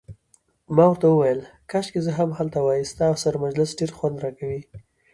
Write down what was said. ما ورته وویل: کاشکي زه هم هلته وای، ستا سره مجلس ډیر خوند راکوي.